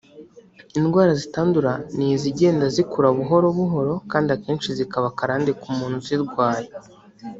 Indwara zitandura ni izigenda zikura buhoro buhoro kandi akenshi zikaba karande ku muntu uzirwaye